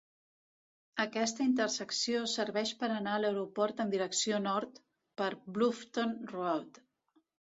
Aquesta intersecció serveix per anar a l'aeroport en direcció nord per Bluffton Road.